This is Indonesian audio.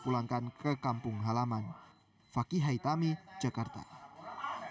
pembongkaran yang tidak mendapatkan ganti rugi adalah tempat tinggal baru